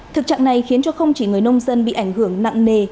thực trạng này khiến cho không chỉ người nông dân bị ảnh hưởng nặng nề